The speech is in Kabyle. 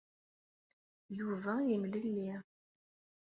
Yuba yemlelli.